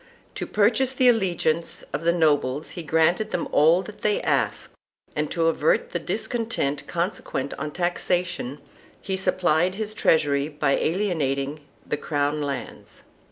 To purchase the allegiance of the nobles he granted them all that they asked, and to avert the discontent consequent on taxation he sup plied his treasury by alienating the crown lands.